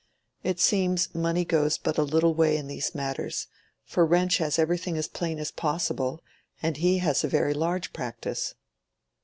It seems, money goes but a little way in these matters, for Wrench has everything as plain as possible, and he has a very large practice."